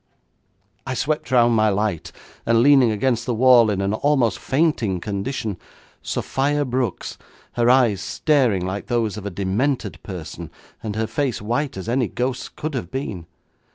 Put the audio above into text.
_' I swept round my light, and saw leaning against the wall, in an almost fainting condition, Sophia Brooks, her eyes staring like those of a demented person, and her face white as any ghost's could have been.